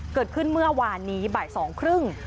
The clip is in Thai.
เกิดขึ้นเมื่อวานนี้บ่ายสองครึ่ง